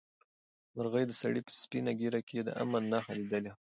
مرغۍ د سړي په سپینه ږیره کې د امن نښه لیدلې وه.